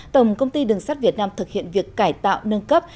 tổng công ty đường sắt việt nam thực hiện việc cải tạo nâng cấp